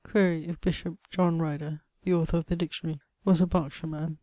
Quaere if bishop Rider, the author of the Dictionary, was a Berkshire man.